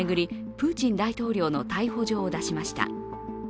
プーチン大統領の逮捕状を出しました。